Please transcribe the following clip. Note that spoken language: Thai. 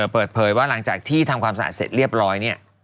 เปิดเผยว่าหลังจากที่ทำความสะอาดเสร็จเรียบร้อยเนี่ย